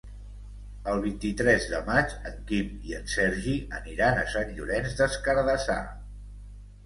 El vint-i-tres de maig en Quim i en Sergi aniran a Sant Llorenç des Cardassar.